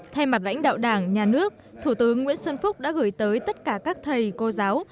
thay mặt lãnh đạo đảng nhà nước thủ tướng nguyễn xuân phúc đã gửi tới tất cả các thầy cô giáo